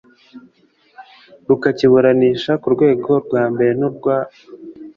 rukakiburanisha ku rwego rwa mbere n urwa